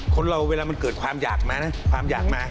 คนเราเวลามันเกิดความอยากมานะความอยากมา